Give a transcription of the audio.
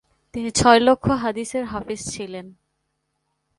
তিনি ছয় লক্ষ হাদীছের হাফেয ছিলেন।